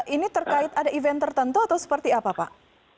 ini terkait ada event tertentu atau seperti apa pak